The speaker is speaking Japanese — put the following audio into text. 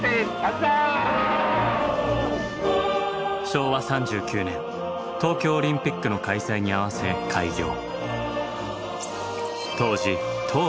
昭和３９年東京オリンピックの開催に合わせ開業。